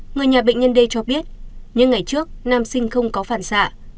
người nhà bệnh nhân d cho biết những ngày trước nam sinh không có phản xạ